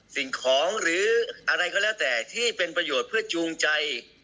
สิ่งของหรืออะไรก็แล้วแต่ที่เป็นประโยชน์เพื่อจูงใจ